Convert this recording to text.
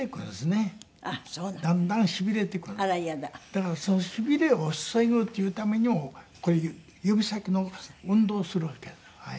だからその痺れを防ぐっていうためにも指先の運動をするわけで。